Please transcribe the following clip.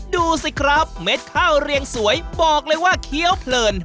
ดูสิครับเม็ดข้าวเรียงสวยบอกเลยว่าเคี้ยวเพลิน